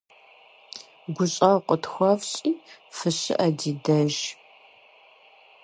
ГущӀэгъу къытхуэфщӀи, фыщыӀэ ди деж!